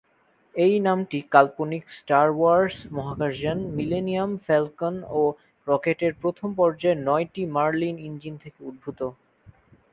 এর নামটি কাল্পনিক স্টার ওয়ার্স মহাকাশযান, মিলেনিয়াম ফ্যালকন ও রকেটের প্রথম পর্যায়ের নয়টি মার্লিন ইঞ্জিন থেকে উদ্ভূত।